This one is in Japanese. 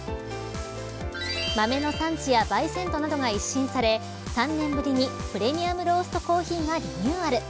豆の産地や焙煎度などが一新され３年ぶりにプレミアムローストコーヒーがリニューアル。